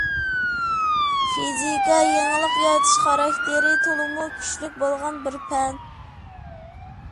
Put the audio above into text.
فىزىكا — يېڭىلىق يارىتىش خاراكتېرى تولىمۇ كۈچلۈك بولغان بىر پەن.